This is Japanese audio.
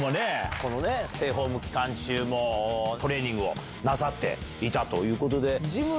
このね、ステイホーム期間中もトレーニングをなさっていたということで。